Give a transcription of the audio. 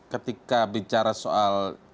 ketika bicara soal